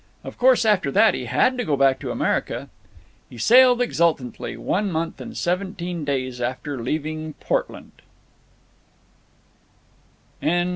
Of course after that he had to go back to America. He sailed exultantly, one month and seventeen days after leaving Portland.